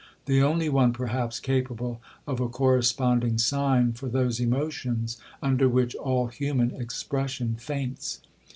—the only one, perhaps, capable of a corresponding sign for those emotions, under which all human expression faints.